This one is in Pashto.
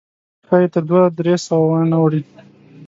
ښایي تر دوه درې سوه وانه وړي.